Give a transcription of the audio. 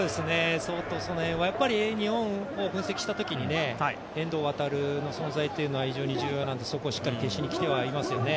相当その辺は、やっぱり日本を分析したときに遠藤航の存在というのは重要なのでそこをしっかり消しにきていますよね。